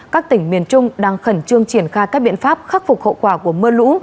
các tỉnh miền trung đang khẩn trương triển khai các biện pháp khắc phục hậu quả của mưa lũ